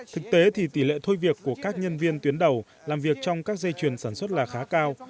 thực tế thì tỷ lệ thôi việc của các nhân viên tuyến đầu làm việc trong các dây chuyền sản xuất là khá cao